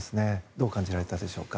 どう感じられたでしょうか。